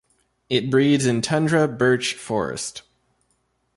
It breeds in tundra birch forest.